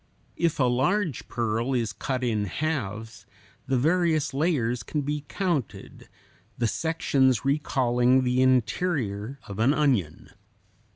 If a large pearl is cut in halves, the various layers can be counted, the sections recalling the interior of an onion.